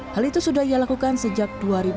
hal itu sudah ia lakukan sejak dua ribu